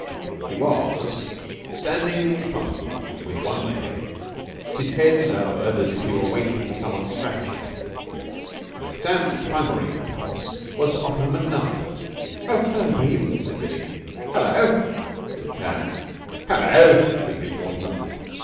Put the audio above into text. He was standing in front of them with one leg, his head lowered as if he were waiting for someone to scratch it. Sam's primary impulse was to offer him a nut. "Oh, hello, Bream!" said Billie. "Hullo!" said Sam. "Hullo!" said Bream Mortimer.